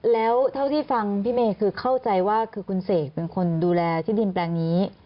แล้วเท่าที่ฟังพี่เมย์คือเข้าใจว่าคือคุณเสกเป็นคนดูแลที่ดินแปลงนี้